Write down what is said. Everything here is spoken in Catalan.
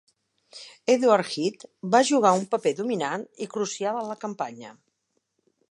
Edward Heath va jugar un paper dominant i crucial a la campanya.